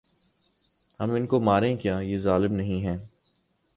ہم ان کو ماریں کیا یہ ظلم نہیں ہے ۔